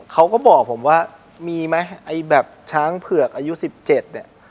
เขาก็บอกผมว่ามีไหมไอ้แบบช้างเผือกอายุ๑๗เนี่ย